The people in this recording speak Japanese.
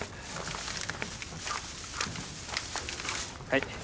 はい。